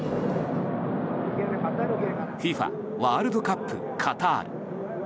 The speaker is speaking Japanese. ＦＩＦＡワールドカップカタール。